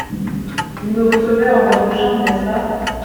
Vous me recevez en robe de chambre, n’est-ce pas ?